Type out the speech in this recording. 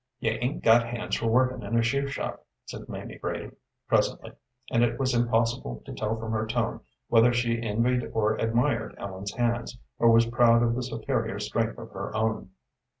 "You 'ain't got hands for workin' in a shoe shop," said Mamie Brady, presently, and it was impossible to tell from her tone whether she envied or admired Ellen's hands, or was proud of the superior strength of her own.